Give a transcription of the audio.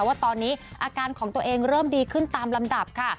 ว่าตอนนี้อาการของตัวเองเริ่มดีขึ้นตามลำดับค่ะ